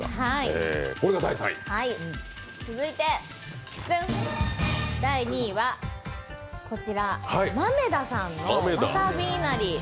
続いて第２位はこちら豆狸さんのわさびいなり。